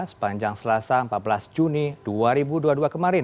sepanjang selasa empat belas juni dua ribu dua puluh dua kemarin